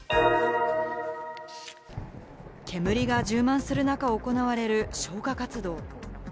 煙が充満する中、行われる消火活動。